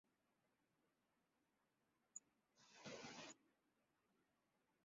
属于第四收费区。